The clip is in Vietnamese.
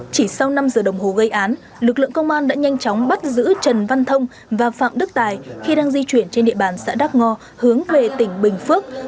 chỉ sau năm giờ đồng hồ gây án lực lượng công an đã nhanh chóng bắt giữ trần văn thông và phạm đức tài khi đang di chuyển trên địa bàn xã đắk ngo hướng về tỉnh bình phước